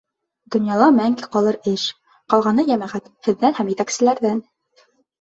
Донъяла мәңге ҡалыр эш — Ҡалғаны, йәмәғәт, һеҙҙән һәм етәкселәрҙән.